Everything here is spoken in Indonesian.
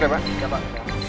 sebentar ya pak